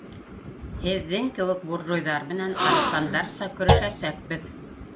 Һеҙҙең кеүек буржуйҙар менән арыҫландарса көрәшәсәкбеҙ.